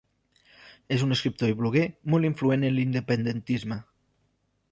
És un escriptor i bloguer molt influent en l'independentisme.